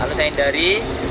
lalu saya hindari